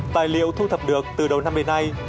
tài liệu thu thập được từ đầu năm đến nay